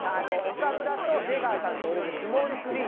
岡村と出川さんと俺でスモール３っていう。